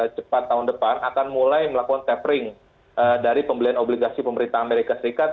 cepat tahun depan akan mulai melakukan tapering dari pembelian obligasi pemerintah amerika serikat